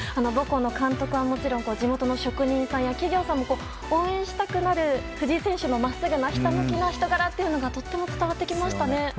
母校の監督はもちろん地元の職人さんや企業さんも応援したくなる藤井選手の真っすぐなひたむきな人柄というのがとても伝わってきましたね。